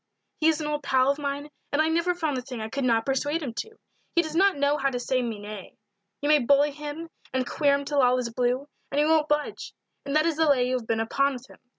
"He is an old pal of mine, and I never found the thing I could not persuade him to. He does not know how to say me nay you may bully him and queer him till all is blue, and he won't budge, and that is the lay you have been upon with him.